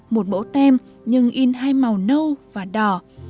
một mẫu tem nhưng in hai màu nâu và đỏ